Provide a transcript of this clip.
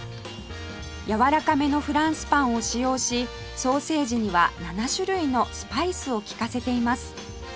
やわらかめのフランスパンを使用しソーセージには７種類のスパイスを利かせています